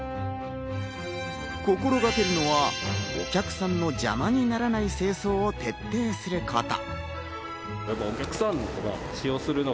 心がけるのはお客さんの邪魔にならない清掃を徹底すること。